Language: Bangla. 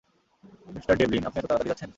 মিঃ ডেভলিন, আপনি এত তাড়াতাড়ি যাচ্ছেন?